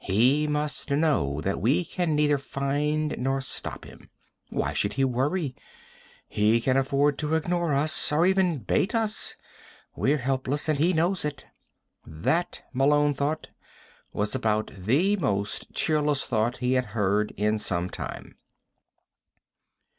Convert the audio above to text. He must know that we can neither find nor stop him. Why should he worry? He can afford to ignore us or even bait us. We're helpless, and he knows it." That, Malone thought, was about the most cheerless thought he had heard in some time.